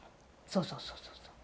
そうそうそうそうそう。